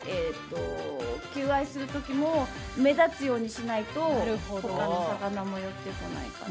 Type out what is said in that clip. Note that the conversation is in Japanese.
求愛する時も目立つようにしないと他の魚も寄ってこないかなと。